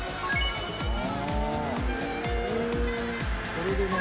これで何？